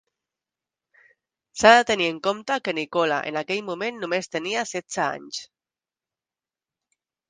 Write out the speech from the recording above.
S'ha de tenir en compte que Nicola en aquell moment només tenia setze anys.